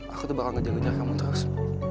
aku tuh bakal ngejar ngejar kamu terus